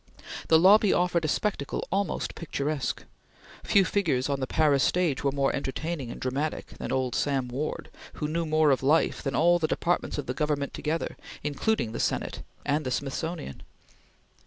The lobby offered a spectacle almost picturesque. Few figures on the Paris stage were more entertaining and dramatic than old Sam Ward, who knew more of life than all the departments of the Government together, including the Senate and the Smithsonian.